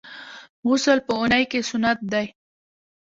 غسل په اونۍ کي سنت دی.